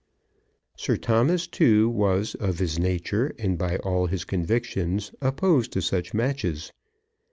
Sir Thomas, too, was of his nature, and by all his convictions, opposed to such matches.